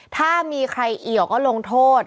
ถ้ามีใครเอี่ยวก็ลงโทษ